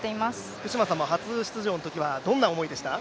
福島さんも初出場のときはどんな思いでした？